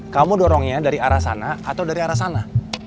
kamu dorongnya dari arah sana atau dari arah sana